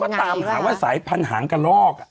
เขาก็ตามหาว่าสายพันธุ์หางกะลอก